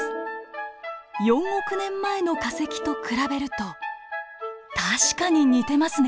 ４億年前の化石と比べると確かに似てますね。